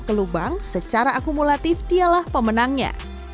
ke lubang secara akumulatif dialah pemenangnya